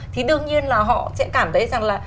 thì đương nhiên là họ sẽ cảm thấy rằng là